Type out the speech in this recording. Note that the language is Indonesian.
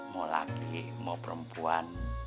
mau laki mau perempuan